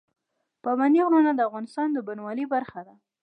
پابندی غرونه د افغانستان د بڼوالۍ برخه ده.